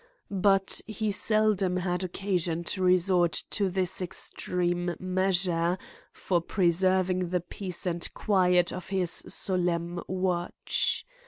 But he seldom had occasion to resort to this extreme measure for preserving the peace and quiet of his solemn watch.